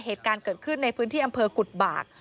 เหตุการณ์เกิดขึ้นในพื้นที่อำเภอกุฎบาก